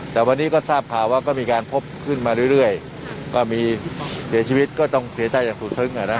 แต่วันนี้ก็ทราบข่าวว่าก็มีการพบขึ้นมาเรื่อยก็มีเสียชีวิตก็ต้องเสียใจอย่างสุดซึ้งอ่ะนะ